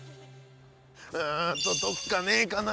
うんとどっかねえかな？